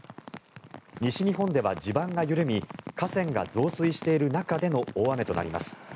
西日本では地盤が緩み河川が増水している中での大雨となります。